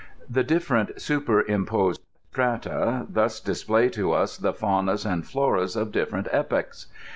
The difierent super imposed strata thus display to us the faunas and floras of dif ferent epochs.